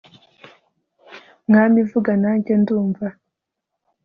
mwami vuga nanjye ndumva